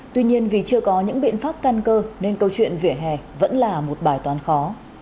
tuy nhiên vì chưa có những biện pháp căn cơ nên câu chuyện về hè vẫn là một bài toán khó